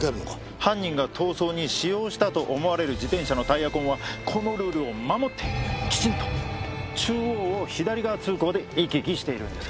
犯人が逃走に使用したと思われる自転車のタイヤ痕はこのルールを守ってきちんと中央を左側通行で行き来しているんです。